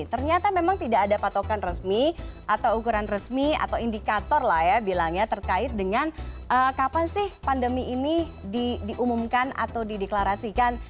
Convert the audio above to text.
ternyata memang tidak ada patokan resmi atau ukuran resmi atau indikator lah ya bilangnya terkait dengan kapan sih pandemi ini diumumkan atau dideklarasikan